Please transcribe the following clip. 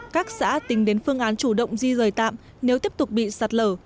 các xã tính đến phương án chủ động di rời tạm nếu tiếp tục bị sạt lở